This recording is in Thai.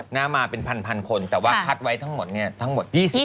หน้ามาเป็นพันคนแต่ว่าคัดไว้ทั้งหมดเนี่ยทั้งหมดทั้งหมด๒๐